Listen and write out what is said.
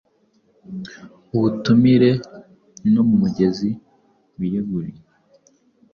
Ubutumire, no mumugezi Wiyeguriye